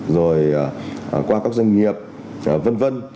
rồi qua các doanh nghiệp vân vân